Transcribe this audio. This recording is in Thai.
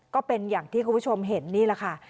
ก็เป็นอย่างที่คุณผู้ชมเห็นนี่แหละค่ะ